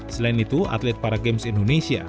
selain itu atlet para games indonesia